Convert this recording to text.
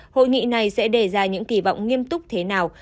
hội nghị này sẽ đề ra những kỳ vọng nghiêm túc thế nào